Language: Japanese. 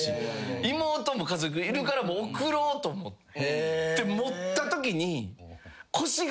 妹も家族いるから送ろうと思って持ったときに。